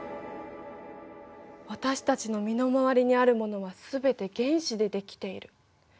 私たちの身の回りにあるものはすべて原子で出来ている。